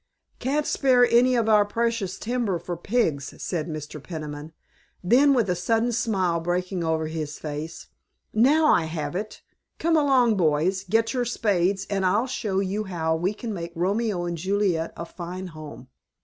"Can't spare any of our precious timber for pigs," said Mr. Peniman. Then with a sudden smile breaking over his face, "Now I have it! Come along, boys, get your spades, and I'll soon show you how we can make Romeo and Juliet a fine home."